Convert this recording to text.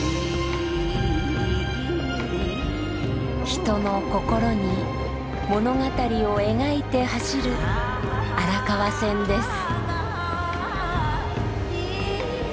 人の心に物語を描いて走る荒川線です。